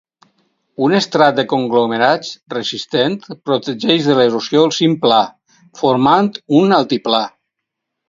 Un estrat de conglomerats resistent protegeix de l'erosió el cim pla, formant un altiplà.